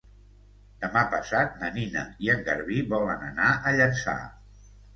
Demà passat na Nina i en Garbí volen anar a Llançà.